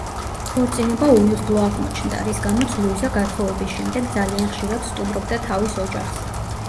ქორწინება უიღბლო აღმოჩნდა, რის გამოც ლუიზა გათხოვების შემდეგ ძალიან ხშირად სტუმრობდა თავის ოჯახს.